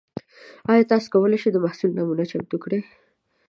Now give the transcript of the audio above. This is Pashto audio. ایا تاسو کولی شئ د محصول نمونه چمتو کړئ؟